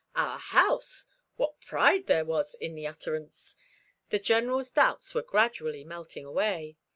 "Our house!" What pride there was in the utterance! The General's doubts were gradually melting away.